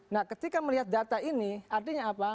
nah ketika melihat data ini artinya apa